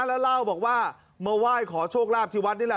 แล้วเล่าบอกว่ามาไหว้ขอโชคลาภที่วัดนี่แหละ